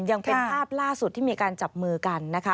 ยังเป็นภาพล่าสุดที่มีการจับมือกันนะคะ